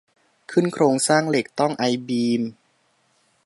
ขึ้นโครงสร้างเหล็กต้องไอบีม